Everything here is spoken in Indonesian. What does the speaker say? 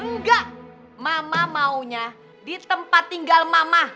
enggak mama maunya di tempat tinggal mama